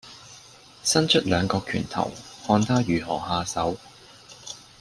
伸出兩個拳頭，看他如何下手。